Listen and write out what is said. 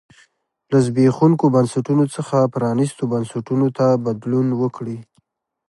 له زبېښونکو بنسټونو څخه پرانیستو بنسټونو ته بدلون وکړي.